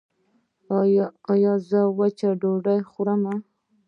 ایا زه وچه ډوډۍ وخورم؟